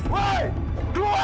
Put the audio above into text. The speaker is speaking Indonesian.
woy keluar lah